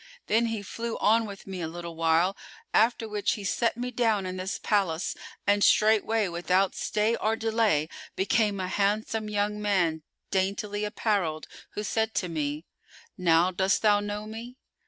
Then he flew on with me a little while, after which he set me down in this palace and straightway without stay or delay became a handsome young man daintily apparelled, who said to me, 'Now dost thou know me?